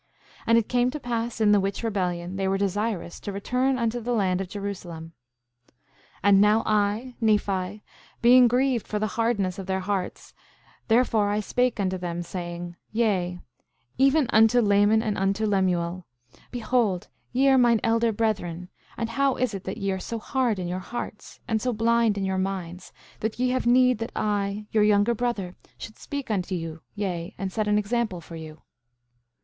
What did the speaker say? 7:7 And it came to pass in the which rebellion, they were desirous to return unto the land of Jerusalem. 7:8 And now I, Nephi, being grieved for the hardness of their hearts, therefore I spake unto them, saying, yea, even unto Laman and unto Lemuel: Behold ye are mine elder brethren, and how is it that ye are so hard in your hearts, and so blind in your minds, that ye have need that I, your younger brother, should speak unto you, yea, and set an example for you?